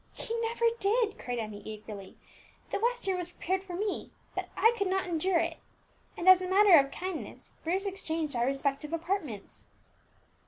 "He never did," cried Emmie eagerly. "The west room was prepared for me, but I could not endure it, and, as a matter of kindness, Bruce exchanged our respective apartments."